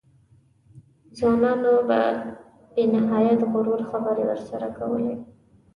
ځوانانو په بې نهایت غرور خبرې ورسره کولې.